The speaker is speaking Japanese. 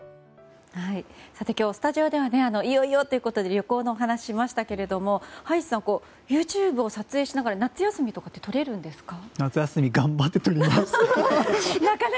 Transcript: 今日、スタジオではいよいよということで旅行の話をしましたが葉一さんＹｏｕＴｕｂｅを撮影しながら夏休みとかって取れるんですか。